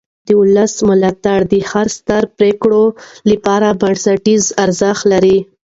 د ولس ملاتړ د هرې سترې پرېکړې لپاره بنسټیز ارزښت لري